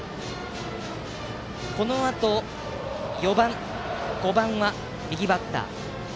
このあと４番と５番は右バッター。